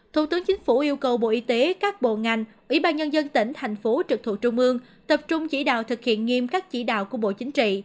thủ tướng chính phủ yêu cầu bộ y tế các bộ ngành ủy ban nhân dân tỉnh thành phố trực thuộc trung ương tập trung chỉ đạo thực hiện nghiêm các chỉ đạo của bộ chính trị